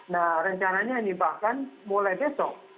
nah rencananya ini bahkan mulai besok